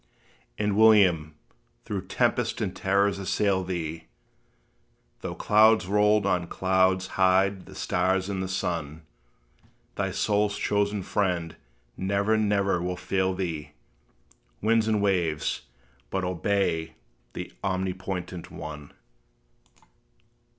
And, William, though tempest and terrors assail thee Though clouds rolled on clouds hide the stars and the sun, Thy soul's chosen Friend never, never will fail thee! Winds and waves but obey that omnipotent ONE.